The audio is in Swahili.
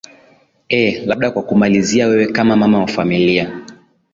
ee labda kwa kumalizia wewe kama mama wa familia